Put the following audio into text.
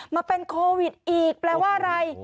มาเป็นโควิดอีกแปลว่าอะไร